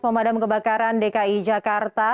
pemadam kebakaran dki jakarta